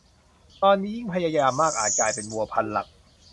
ตอนนี้ยิ่งพยายามมากอาจกลายเป็นวัวพันหลัก